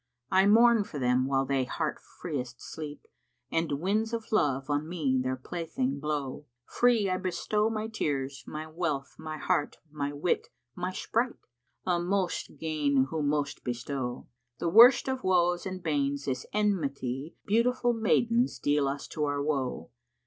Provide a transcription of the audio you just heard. I mourn for them[FN#61] while they heart freest sleep * And winds of love on me their plaything blow: Free I bestow my tears, my wealth, my heart * My wit, my sprite:Â most gain who most bestow! The worst of woes and banes is enmity * Beautiful maidens deal us to our woe.